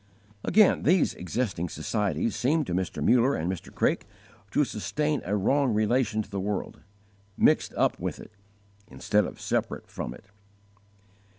Again, these existing societies seemed to Mr. Muller and Mr. Craik to sustain a wrong relation to the world mixed up with it, instead of separate from it.